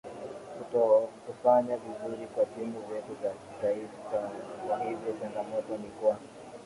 kutokufanya vizuri kwa timu zetu za taifa kwa hivyo changamoto ni kwa